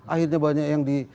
akhirnya banyak yang di